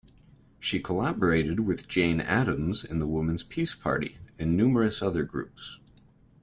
She collaborated with Jane Addams in the Women's Peace party, and numerous other groups.